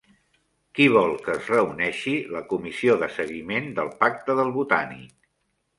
Qui vol que es reuneixi la comissió de seguiment del pacte del Botànic?